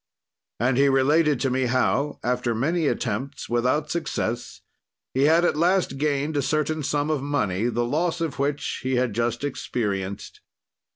"And he related to me how, after many attempts without success, he had at last gained a certain sum of money, the loss of which he had just experienced.